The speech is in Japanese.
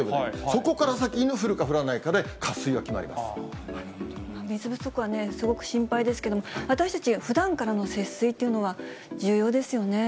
そこから先、降るか降らないかで水不足はすごく心配ですけれども、私たち、ふだんからの節水というのが重要ですよね。